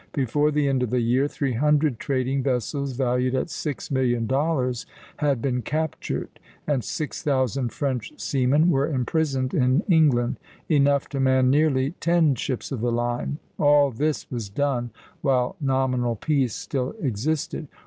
Before the end of the year, three hundred trading vessels, valued at six million dollars, had been captured, and six thousand French seamen were imprisoned in England, enough to man nearly ten ships of the line. All this was done while nominal peace still existed.